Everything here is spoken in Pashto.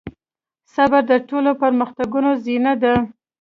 صبر د ټولو پرمختګونو زينه ده.